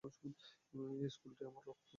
এই স্কুলটি আমার রক্ত।